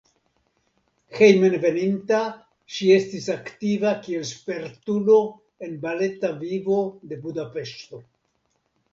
Hejmenveninta ŝi estis aktiva kiel spertulo en baleta vivo de Budapeŝto.